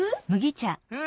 うん。